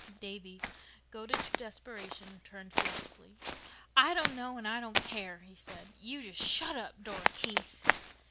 Davy, goaded to desperation, turned fiercely. "I don't know and I don't care," he said. "You just shut up, Dora Keith."